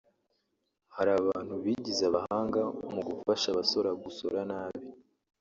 “Hari abantu bigize abahanga mu gufasha abasora gusora nabi”